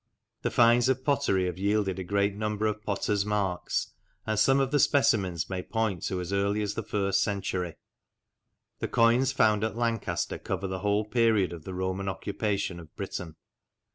The finds of pottery have yielded a great number of potters' marks, and some of the specimens may point to as early as the first century. The coins found at Lancaster cover the whole period of the Roman occupation of Britain.